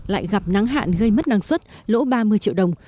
lại gặp nắng hạn gây mất năng suất lỗ ba mươi triệu đồng